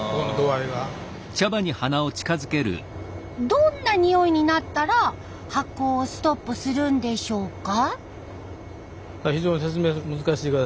どんなにおいになったら発酵をストップするんでしょうか？